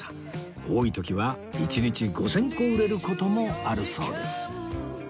多い時は一日５０００個売れる事もあるそうです